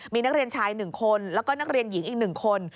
มีนักเรียนชาย๑คนแล้วก็นักเรียนหญิงอีก๑คน